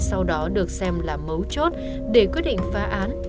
sau đó được xem là mấu chốt để quyết định phá án